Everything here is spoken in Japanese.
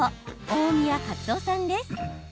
大宮勝雄さんです。